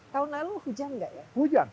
tahun lalu hujan nggak ya hujan